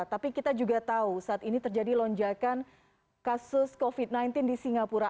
tapi kita juga tahu saat ini terjadi lonjakan kasus covid sembilan belas di singapura